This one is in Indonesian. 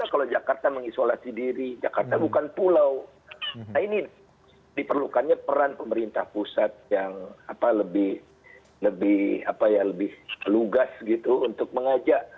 sebetulnya ke depannya bahayanya bagaimana